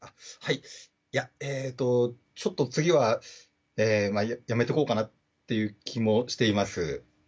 いや、えーと、次はやめておこうかなという気もしています。